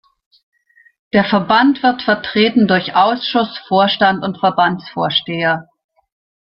Der Verband wird vertreten durch Ausschuss, Vorstand und Verbandsvorsteher.